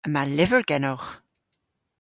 Yma lyver genowgh.